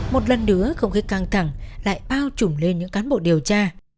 một lần nữa không khí căng thẳng lại bao trùm lên những cán bộ điều tra